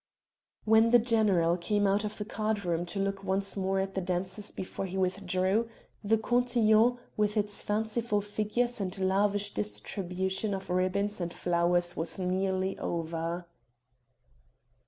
When the general came out of the card room to look once more at the dancers before he withdrew, the cotillon, with its fanciful figures and lavish distribution of ribbons and flowers, was nearly over.